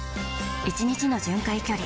１日の巡回距離